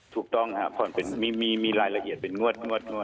ถูกต้องครับมีรายละเอียดเป็นงวด